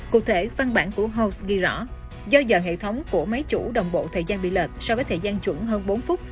cụ thể văn bản của house ghi rõ do giờ hệ thống của máy chủ đồng bộ thời gian bị lệch so với thời gian chuẩn hơn bốn phút